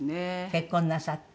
結婚なさって。